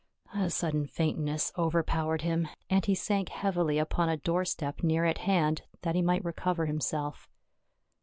A sudden faintness overpowered him, and he sank heavily upon a doorstep near at hand, that he might recover himself.